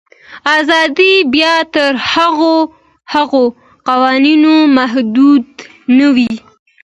آزادي باید تر هغو قوانینو محدوده نه وي.